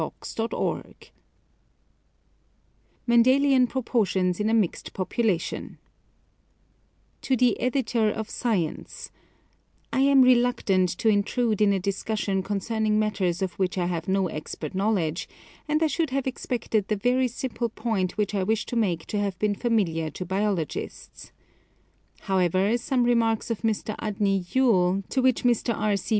DISCUSSION AND CORRESPONDENCE MENDELIAN PROPOETIONS IN A MIXED POPULATION To THE Editor of Science: I am reluctant to intrude in a discussion concerning matters of which I have no expert knowledge, and I should have expected the very simple point which I wish to make to have heen familiar to biologists. However, some remarks of Mr. Fdny Tule, to which Mr. R C.